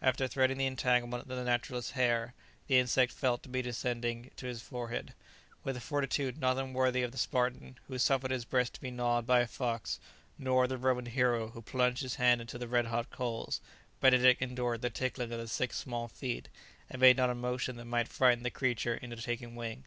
After threading the entanglement of the naturalist's hair the insect was felt to be descending his forehead. With a fortitude not unworthy of the Spartan who suffered his breast to be gnawed by a fox, nor of the Roman hero who plunged his hand into the red hot coals, Benedict endured the tickling of the six small feet, and made not a motion that might frighten the creature into taking wing.